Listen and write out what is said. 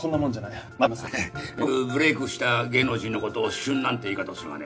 よくブレイクした芸能人のことを旬なんて言い方をするがね